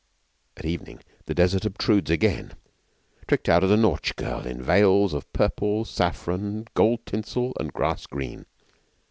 At evening the Desert obtrudes again tricked out as a Nautch girl in veils of purple, saffron, gold tinsel, and grass green.